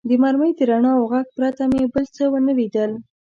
د مرمۍ د رڼا او غږ پرته مې بل څه و نه لیدل.